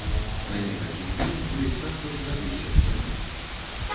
На некалькі хвілін увесь тэатр зрабіўся сцэнай.